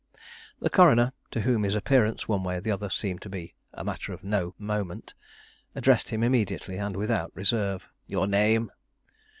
The coroner, to whom his appearance one way or the other seemed to be a matter of no moment, addressed him immediately and without reserve: "Your name?"